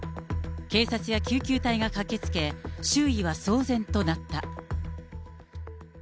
警察や救急隊が駆けつけ、周囲は騒然となった。